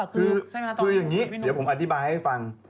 คืออย่างนี้เดี๋ยวผมอธิบายให้ฟัง